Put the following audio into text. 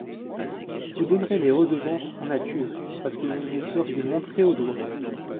Vous donnerez les redevances en nature, parce que vous vous feriez montrer au doigt…